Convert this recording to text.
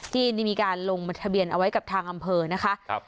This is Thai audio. ที่ได้มีการลงทะเบียนเอาไว้กับทางอำเภอนะคะ